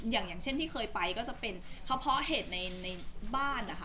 อย่างเช่นที่เคยไปก็จะเป็นกระเพาะเห็ดในบ้านนะคะ